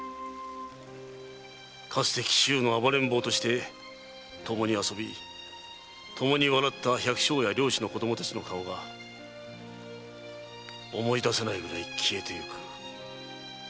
かつて紀州の暴れん坊として共に遊び共に笑った百姓や漁師の子供たちの顔が思い出せないほど消えてゆく。